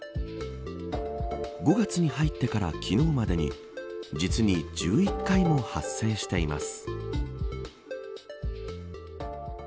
５月に入ってから昨日までに実に１１回も発生しています。